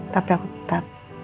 tapi aku tetap